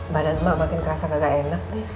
badan emak makin kerasa gak enak